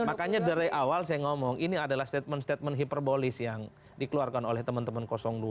makanya dari awal saya ngomong ini adalah statement statement hiperbolis yang dikeluarkan oleh teman teman dua